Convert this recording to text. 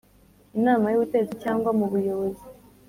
inama y’ubutegetsi cyangwa mu buyobozi